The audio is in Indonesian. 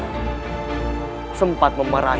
tidak ada masalah